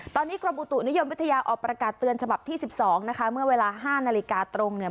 ตอนนี้กรมอุตุนิยมวิทยาออกประกาศเตือนฉบับที่๑๒นะคะเมื่อเวลา๕นาฬิกาตรงเนี่ย